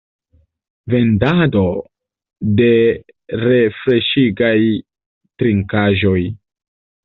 Vendado de refreŝigaj trinkaĵoj.